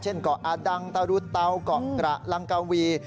เกาะอาดังตะรุเตาเกาะกระลังกวี